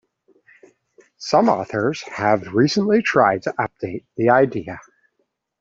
Some authors have recently tried to update the idea.